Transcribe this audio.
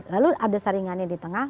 lalu ada saringannya di tengah